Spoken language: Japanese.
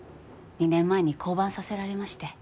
２年前に降板させられまして。